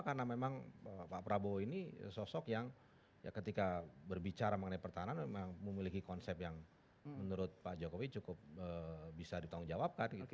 karena memang pak prabowo ini sosok yang ketika berbicara mengenai pertahanan memang memiliki konsep yang menurut pak jokowi cukup bisa ditanggung jawabkan